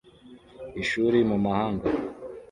Ishuri mu mahanga